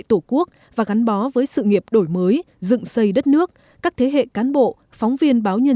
tổ quốc và gắn bó với sự nghiệp đổi mới dựng xây đất nước các thế hệ cán bộ phóng viên báo nhân